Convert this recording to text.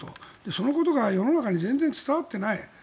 そのことが世の中に全然伝わっていない。